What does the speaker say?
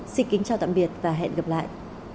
xin kính chào tạm biệt và hẹn gặp lại